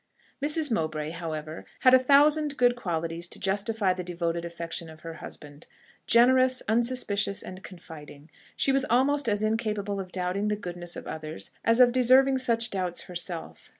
Mrs. Mowbray, however, had a thousand good qualities to justify the devoted affection of her husband. Generous, unsuspicious, and confiding, she was almost as incapable of doubting the goodness of others, as of deserving such doubts herself.